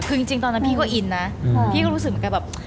คือจริงตอนนั้นพี่ก็อินนะพี่ก็รู้สึกเหมือนกับแบบ